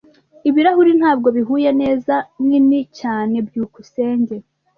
Ibirahuri ntabwo bihuye neza. Ninini cyane. byukusenge